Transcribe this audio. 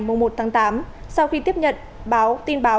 mùa một tháng tám sau khi tiếp nhận tin báo